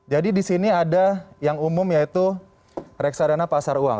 di sini ada yang umum yaitu reksadana pasar uang